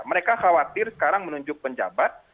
mereka khawatir sekarang menunjuk penjabat